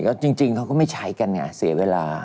ก็จริงเขาก็ไม่ใช้กันไงเสียเวลา